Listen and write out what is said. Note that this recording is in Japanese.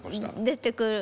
出てくる。